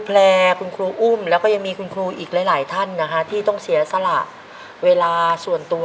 ในแคมเปญพิเศษเกมต่อชีวิตโรงเรียนของหนู